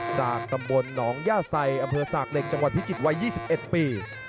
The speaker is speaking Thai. จากตำบลหนองย่าไซอำเภอสากเหล็กจังหวัดพิจิตรวัย๒๑ปี